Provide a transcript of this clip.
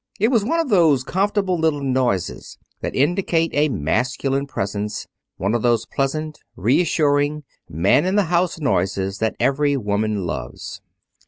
It was one of those comfortable little noises that indicate a masculine presence; one of those pleasant, reassuring, man in the house noises that every woman loves.